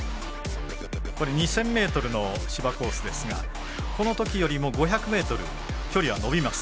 ２０００ｍの芝コースですがこのときよりも５００ｍ距離は伸びます。